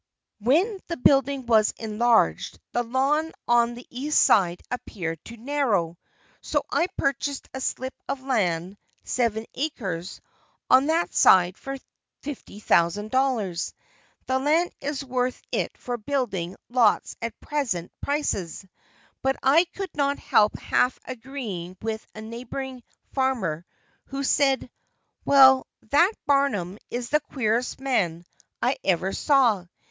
When the building was enlarged, the lawn on the east side appeared too narrow, so I purchased a slip of land (seven acres) on that side for $50,000. The land is worth it for building lots at present prices, but I could not help half agreeing with a neighboring farmer who said, "well, that Barnum is the queerest man I ever saw.